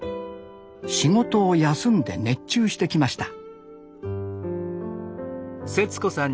仕事を休んで熱中してきました